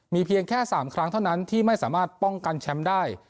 เพียงแค่๓ครั้งเท่านั้นที่ไม่สามารถป้องกันแชมป์ได้